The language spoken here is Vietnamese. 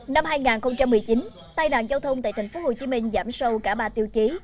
năm hai nghìn một mươi chín tai nạn giao thông tại tp hcm giảm sâu cả ba tiêu chí